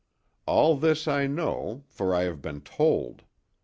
All this I know, for I have been told.